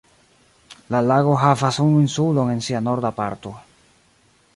La lago havas unu insulon en sia norda parto.